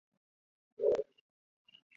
紫蕊蚤缀